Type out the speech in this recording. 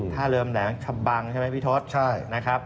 ท่าเรือมแหลงชะบังใช่ไหมพี่ทศใช่นะครับ